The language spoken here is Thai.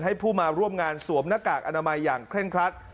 ให้ผู้มาร่วมงานสวมหน้ากากอนามัยอย่างเคร่งครัด